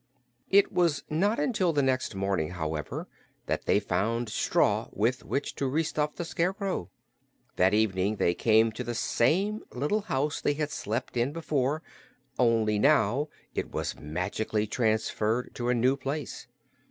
It was not until the next morning, however, that they found straw with which to restuff the Scarecrow. That evening they came to the same little house they had slept in before, only now it was magically transferred to a new place.